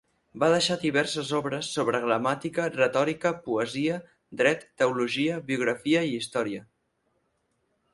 Va deixar diverses obres sobre gramàtica, retòrica, poesia, dret, teologia, biografia i història.